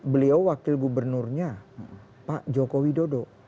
beliau wakil gubernurnya pak joko widodo